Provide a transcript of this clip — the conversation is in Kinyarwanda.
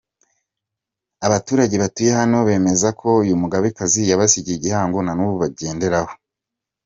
Abaturage batuye hano, bemeza ko uyu mugabekazi yabasigiye igihango na n’ubu bakigenderaho.